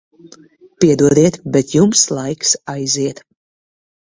Piedodiet, bet jums laiks aiziet.